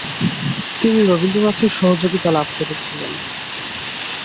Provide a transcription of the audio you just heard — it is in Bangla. তিনি রবীন্দ্রনাথের সহযোগিতা লাভ করেছিলেন।